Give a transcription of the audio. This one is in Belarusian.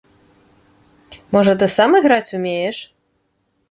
Можа ты сам іграць умееш?